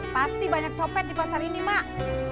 pasti banyak copet di pasar ini mak